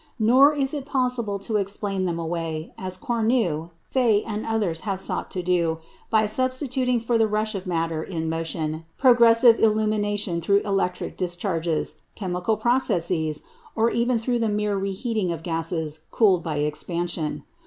Nor is it possible to explain them away, as Cornu, Faye, and others have sought to do, by substituting for the rush of matter in motion, progressive illumination through electric discharges, chemical processes, or even through the mere reheating of gases cooled by expansion.